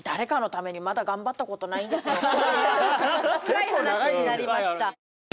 つらい話になりました。